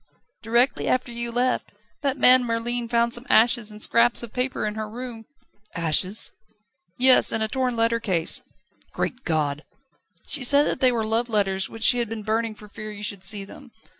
"Directly after you left. That man Merlin found some ashes and scraps of paper in her room ..." "Ashes?" "Yes; and a torn letter case." "Great God!" "She said that they were love letters, which she had been burning for fear you should see them."